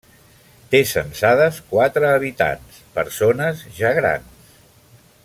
Té censades quatre habitants, persones ja grans.